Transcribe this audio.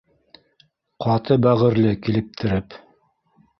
Ҡаты бәғерле килептереп